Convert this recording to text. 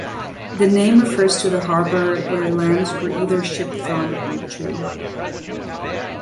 The name refers to a harbour where lambs were either shipped from or to.